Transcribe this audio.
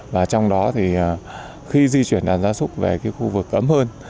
và trong đó thì khi di chuyển đàn gia súc về cái khu vực ấm hơn